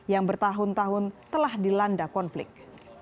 yang bertahun tahun telah dilanda konflik